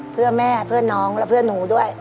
เพื่อแม่เพื่อนน้องและเพื่อนหนูด้วย